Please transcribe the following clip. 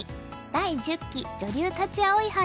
第１０期女流立葵杯」。